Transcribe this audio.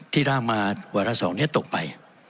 ที่ร่างมาวัตรสองเนี่ยตกไป